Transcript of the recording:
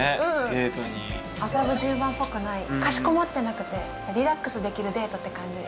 デートにうん麻布十番っぽくないかしこまってなくてリラックスできるデートって感じ